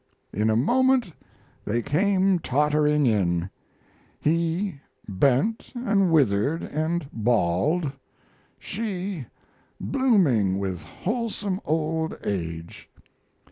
In a moment they came tottering in; he, bent and withered and bald; she, blooming with wholesome old age.